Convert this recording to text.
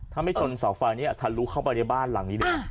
ถ้าไม่ชนเสาไฟอันนี้อ่ะทันลุเข้าไปในบ้านหลังนี้เลยอ่า